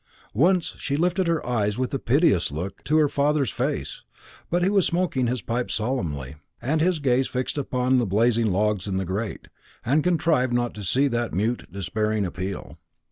Once she lifted her eyes with a piteous look to her father's face; but he was smoking his pipe solemnly, with his gaze fixed upon the blazing logs in the grate, and contrived not to see that mute despairing appeal.